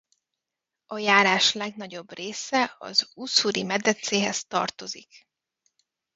A járás legnagyobb része az Usszuri-medencéhez tartozik.